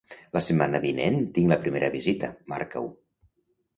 La setmana vinent tinc la primera visita, marca-ho.